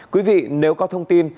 quý vị nếu có thông tin